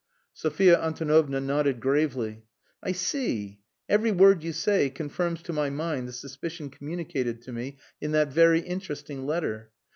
Sophia Antonovna nodded gravely. "I see. Every word you say confirms to my mind the suspicion communicated to me in that very interesting letter.